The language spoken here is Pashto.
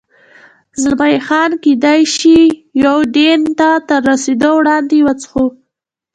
زلمی خان: کېدای شي یوډین ته تر رسېدو وړاندې، وڅښو.